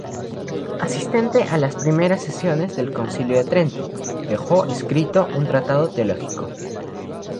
Asistente a las primeras sesiones del Concilio de Trento, dejó escrito un tratado teológico.